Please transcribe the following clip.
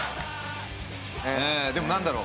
でもなんだろう？